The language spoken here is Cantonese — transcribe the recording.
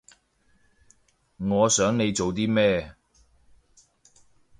我想你做啲咩